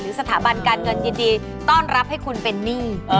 สถาบันการเงินยินดีต้อนรับให้คุณเป็นหนี้